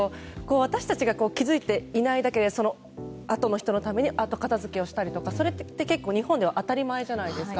私たちが気づいていないだけであとの人のために後片付けをしたりとそれって結構、日本では当たり前じゃないですか。